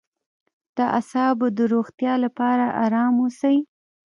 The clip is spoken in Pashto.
د اعصابو د روغتیا لپاره ارام اوسئ